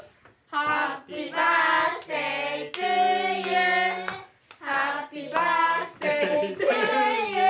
「ハッピーバースデートゥユー」「ハッピーバースデートゥユー」